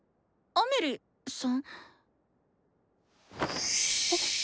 アメリさ。